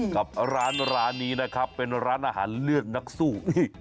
กับร้านร้านนี้นะครับเป็นร้านอาหารเลือดนักสู้